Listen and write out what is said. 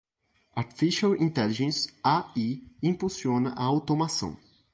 Artificial Intelligence (AI) impulsiona a automação.